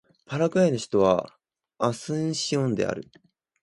パラグアイの首都はアスンシオンである